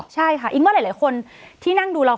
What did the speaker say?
ใช่ค่ะอิงว่าหลายคนที่นั่งดูเรา